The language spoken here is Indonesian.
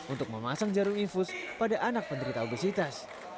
untuk memasang jarum infus pada anak penderita obesitas